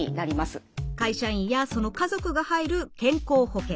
会社員やその家族が入る健康保険。